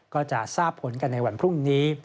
ก็จะทราบผลกันในวันพรุ่งนี้